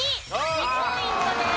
２ポイントです。